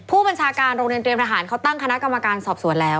ผู้บัญชาการโรงเรียนเตรียมทหารเขาตั้งคณะกรรมการสอบสวนแล้ว